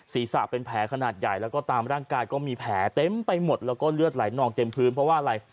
ศีรษะเป็นแผลขนาดใหญ่แล้วก็ตามร่างกายก็มีแผลเต็มไปหมดแล้วก็เลือดไหลนองเต็มพื้นเพราะว่าอะไร